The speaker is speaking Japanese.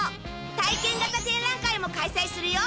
体験型展覧会も開催するよ。